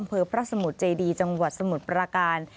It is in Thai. อำเภอพระสมุทรเจดีบริการรมก่อนจังหวัดสมุทรปราการ